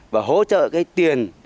và hỗ trợ cái tiền để trồng cây đông nghiệp